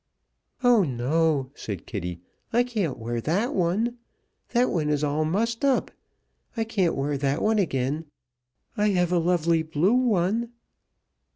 "Oh, no!" said Kitty. "I can't wear that one. That one is all mussed up. I can't wear that one again. I have a lovely blue one."